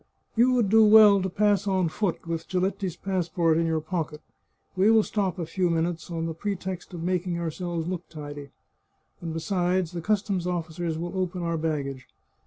" You would do well to pass on foot with Giletti's pass port in your pocket. We will stop a few minutes, on the pretext of making ourselves look tidy. And besides, the customs officers will open our baggage.